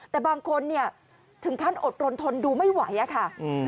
แต่บางคนเนี่ยถึงขั้นอดรนทนดูไม่ไหวอะค่ะ